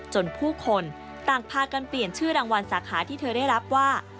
ผู้คนต่างพากันเปลี่ยนชื่อรางวัลสาขาที่เธอได้รับว่า